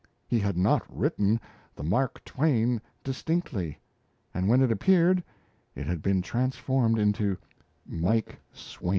He had not written the "Mark Twain" distinctly, and when it appeared it had been transformed into "Mike Swain"!